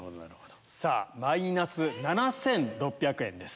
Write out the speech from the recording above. さぁマイナス７６００円です。